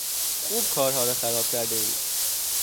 خوب کارها را خراب کردهای!